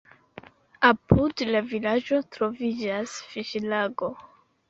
Apud la vilaĝo troviĝas fiŝlago.